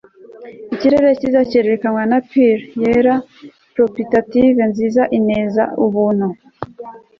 Ikirere cyiza cyerekanwe na pearl yera propitative nziza ineza ubuntu